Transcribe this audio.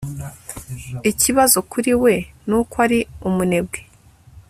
Ikibazo kuri we nuko ari umunebwe